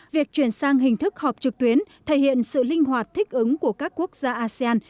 việc chuyển sang hình thức họp trực tuyến thể hiện sự linh hoạt thích ứng của các quốc gia asean